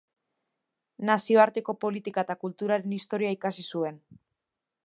Nazioarteko politika eta kulturaren historia ikasi zuen.